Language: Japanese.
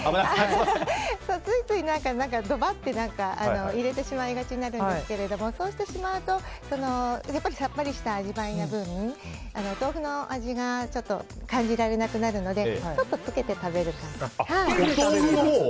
ついついどばっと入れてしまいがちですがそうしてしまうとさっぱりした味わいな分お豆腐の味が感じられなくなるのでちょっとつけて食べる感じで。